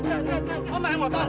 gak mau main motor